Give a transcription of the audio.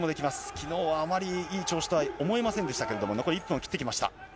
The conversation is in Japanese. きのうはあまりいい調子とは思えませんでしたけれども、残り１分を切ってきました。